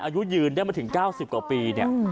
อายุยืนได้มาถึง๙๐กว่าปีเนี่ย